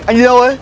anh đi đâu đấy